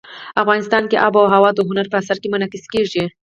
افغانستان کې آب وهوا د هنر په اثار کې منعکس کېږي.